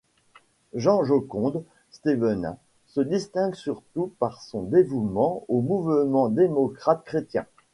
Jean-Joconde Stévenin se distingue surtout par son dévouement au mouvement démocrate-chrétien.